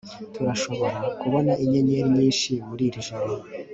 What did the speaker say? turashobora kubona inyenyeri nyinshi muri iri joro